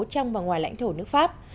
trong và ngoài lãnh thổ nước pháp